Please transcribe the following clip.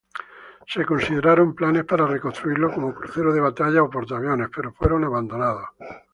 Se consideraron planes para reconstruirlo como crucero de batalla o portaaviones, pero fueron abandonados.